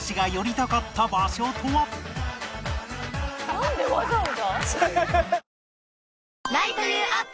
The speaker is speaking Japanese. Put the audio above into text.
なんでわざわざ？